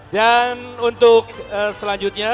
dan untuk selanjutnya